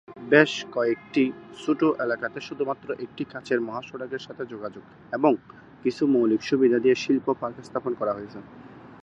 বেশ কয়েকটি ছোটো এলাকাতে শুধুমাত্র একটি কাছের মহাসড়কের সাথে যোগাযোগ এবং কিছু মৌলিক সুবিধা দিয়ে শিল্প পার্ক স্থাপন করা হয়েছে।